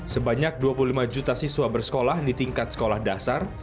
sebanyak dua puluh lima juta siswa bersekolah di tingkat sekolah dasar